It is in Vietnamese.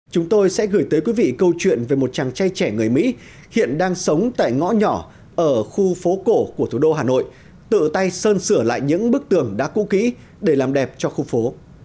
chúng tôi sẽ gửi tới quý vị câu chuyện về một chàng trai trẻ người mỹ hiện đang sống tại ngõ nhỏ ở khu phố cổ của thủ đô hà nội tự tay sơn sửa lại những bức tường đã cũ kỹ để làm đẹp cho khu phố